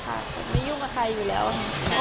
ผมไม่ยุ่งกับใครอยู่แล้วค่ะ